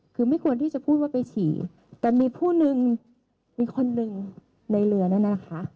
คือไม่ควรที่จะพูดว่าไปฉี่แต่มีผู้นึงมีคนหนึ่งในเรือนั่นนะคะ